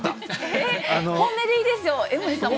本音でいいですよ江守さんも。